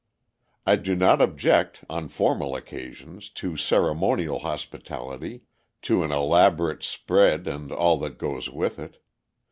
I do not object, on formal occasions, to ceremonial hospitality, to an elaborate spread and all that goes with it.